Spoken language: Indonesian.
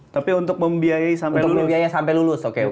tapi untuk membiayai sampai lulus